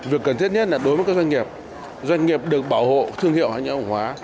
việc cần thiết nhất là đối với các doanh nghiệp doanh nghiệp được bảo hộ thương hiệu hay nhãn hàng hóa